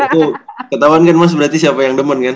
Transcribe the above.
itu ketauan kan mas berarti siapa yang demen kan